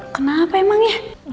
kenapa emang ya